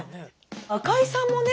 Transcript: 赤井さんもね